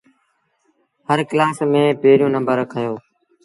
هر ڪلآس ميݩ پيريوݩ نمبر کنيو۔